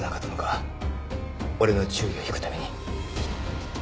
俺の注意を引くために。